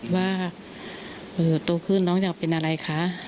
ว่าโตขึ้นน้องอยากเป็นอะไรคะ